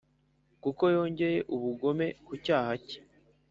kuko yongera ubugome ku cyaha cye